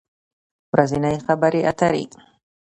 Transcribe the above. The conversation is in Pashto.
ورځنۍ خبری اتری